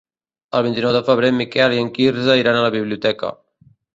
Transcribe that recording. El vint-i-nou de febrer en Miquel i en Quirze iran a la biblioteca.